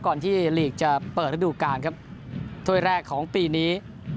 ที่ลีกจะเปิดระดูการครับถ้วยแรกของปีนี้